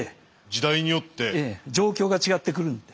ええ状況が違ってくるので。